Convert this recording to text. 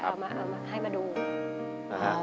เอามาให้มาดู